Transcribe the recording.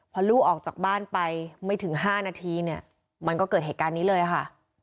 พอลูกออกจากบ้านไปไม่ถึง๕นาทีเนี่ยมันก็เกิดเหตุการณ์นี้เลยค่ะ